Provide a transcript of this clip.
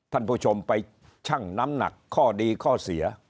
ท่านผู้ชมไปชั่งน้ำหนักข้อดีข้อเสีย